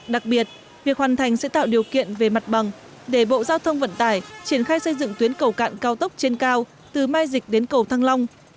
đặc biệt việc hoàn thành sẽ tạo điều kiện về mặt bằng để bộ giao thông vận tải triển khai xây dựng tuyến cầu cạn cao tốc trên cao từ mai dịch đến cầu thăng long